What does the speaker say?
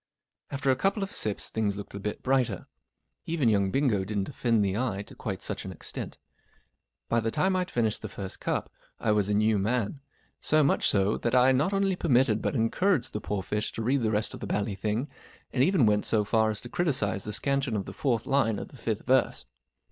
After a couple of sips things looked a bit brighter. Even young Bingo didn't offend the eye to quite such an extent. By the time I'd finished the first cup I was a new man, skM mibh so that I not only UNIVERSITY OF MICHIGAN P. G. Wodehouse 483 permitted but encouraged the poor fish to read the rest of the bally thing, and even ivent so far as to criticize the scansion of the fourth line of the fifth verse.